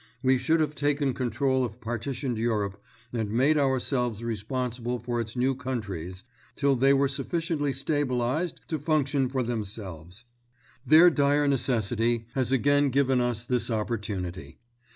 We should have taken control of partitioned Europe and made ourselves responsible for its new countries, till they were sufficiently stabilised to function for themselves. Their dire necessity has again given us this opportunity.